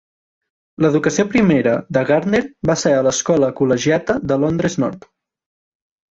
L'educació primera de Gardner va ser a l'Escola Col·legiata de Londres Nord.